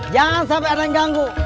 jangan sampai ada yang ganggu